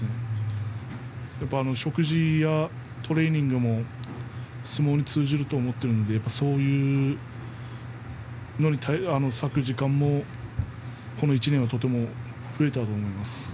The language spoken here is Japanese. やはり、食事やトレーニングも通じると思っているのでそういうのに割く時間もこの１年、増えたと思います。